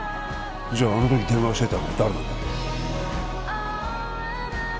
じゃああの時電話してたのは誰なんだ？